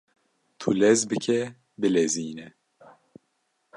Tu lez bike bilezîne